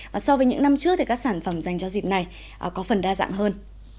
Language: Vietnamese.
và so với những năm trước thì các sản phẩm dành cho dịp này có phần đa dạng hơn